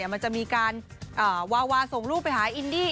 มันจะมีการวาวาส่งลูกไปหาอินดี้